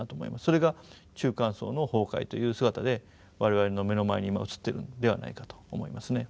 それが中間層の崩壊という姿で我々の目の前に今映ってるんではないかと思いますね。